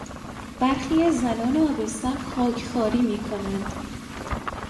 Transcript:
برخی از زنان آبستن خاکخواری میکنند.